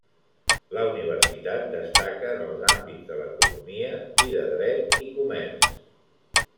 La Universitat destaca en els àmbits de l'Economia i de Dret i Comerç.